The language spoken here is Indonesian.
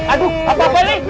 aduh apa apaan ini